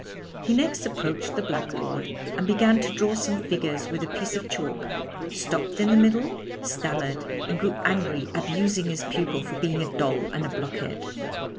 He next approached the blackboard, and began to draw some figures with a piece of chalk, stopped in the middle, stammered and grew angry, abusing his pupil for being a doll and a blockhead.